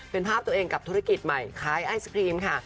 เป็นภาพตัวเองกับธุรกิจใหม่ขายไอศครีมค่ะ